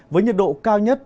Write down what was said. với nhiệt độ cao nhất